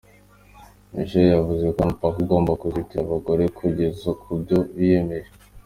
Michelle yavuze ko nta mupaka ugomba kuzitira abagore kugera ku byo biyemeje.